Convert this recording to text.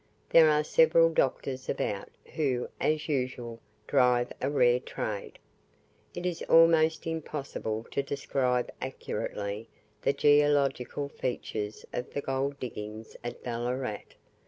There are several doctors about, who, as usual, drive a rare trade. It is almost impossible to describe accurately the geological features of the gold diggings at Ballarat.